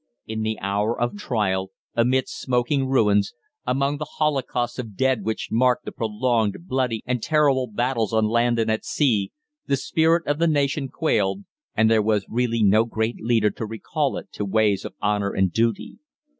In the hour of trial, amidst smoking ruins, among the holocausts of dead which marked the prolonged, bloody, and terrible battles on land and at sea, the spirit of the nation quailed, and there was really no great leader to recall it to ways of honour and duty.